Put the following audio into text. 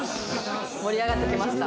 盛り上がってきました。